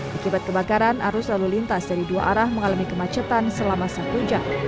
akibat kebakaran arus lalu lintas dari dua arah mengalami kemacetan selama satu jam